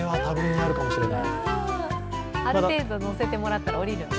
ある程度、乗せてもらったら下りるのね。